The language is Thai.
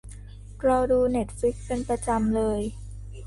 เราดูเน็ตฟลิกซ์เป็นประจำเลย